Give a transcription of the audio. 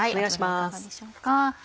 油いかがでしょうか。